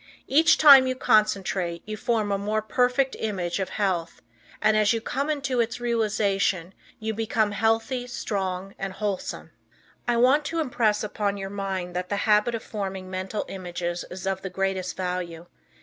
Each time you concentrate you form a more perfect image of health, and, as you come into its realization, you become healthy, strong and wholesome. I want to impress upon your mind that the habit of forming mental images is of the greatest value.